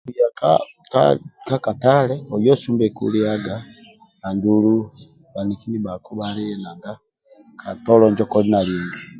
Okuya ka katale oye osumbeku liaga andulu bhaniki ndibhako bhaliye nanga ka toko injo koli na lieli